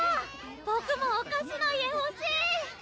僕もお菓子の家欲しい！